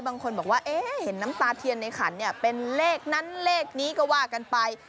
บางคนบอกว่าเห็นน้ำตาเทียนในขันเนี่ยเป็นเลขนั้นเลขนี้ก็ว่ากันไป